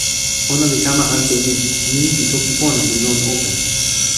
ona li kama ante ni: nimi pi toki pona li lon open.